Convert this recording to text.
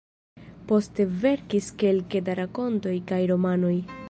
Poste verkis kelke da rakontoj kaj romanoj.